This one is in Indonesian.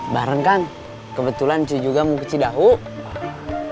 bareng kang kebetulan cuy juga mau kecih daun